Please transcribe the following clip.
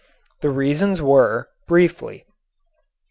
These reasons were, briefly: 1.